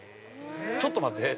ちょっと待って。